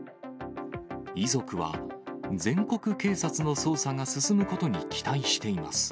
遺族は、全国警察の捜査が進むことに期待しています。